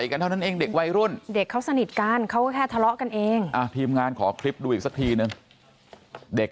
อ้าวแม่ความจริงผมก็ไม่อยากให้เห็นภาพความรุนแรงอะไรเยอะแยะนะค่ะ